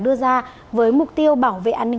đưa ra với mục tiêu bảo vệ an ninh